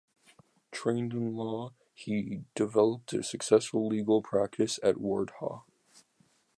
Trained in law, he developed a successful legal practice at Wardha.